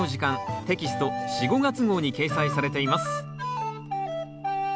テキスト４・５月号に掲載されています